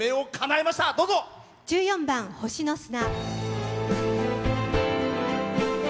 １４番「星の砂」。